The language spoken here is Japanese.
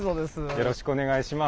よろしくお願いします。